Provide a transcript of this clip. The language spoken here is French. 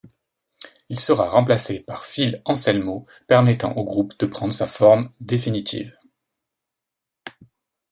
Il sera remplacé par Phil Anselmo, permettant au groupe de prendre sa forme définitive.